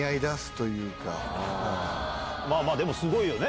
でもすごいよね！